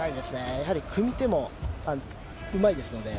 やはり組み手もうまいですので。